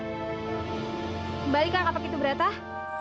kembalikan kapak itu beratah